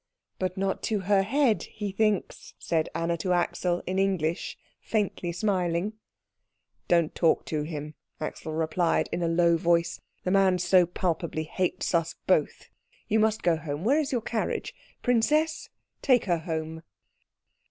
"But not to her head, he thinks," said Anna to Axel in English, faintly smiling. "Don't talk to him," Axel replied in a low voice; "the man so palpably hates us both. You must go home. Where is your carriage? Princess, take her home."